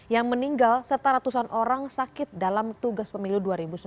yang meninggal serta ratusan orang sakit dalam tugas pemilu dua ribu sembilan belas